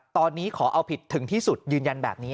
ตอนนี้ขอเอาผิดถึงที่สุดยืนยันแบบนี้